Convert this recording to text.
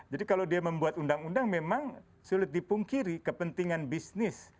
jadi kalau dia membuat undang undang memang sulit dipungkiri kepentingan bisnis